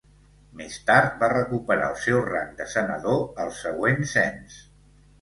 Més tard va recuperar el seu rang de senador al següent cens.